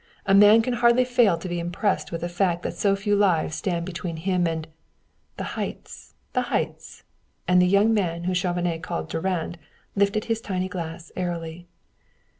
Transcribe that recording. A man can hardly fail to be impressed with the fact that so few lives stand between him and " "The heights the heights!" And the young man, whom Chauvenet called Durand, lifted his tiny glass airily.